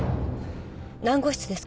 何号室ですか？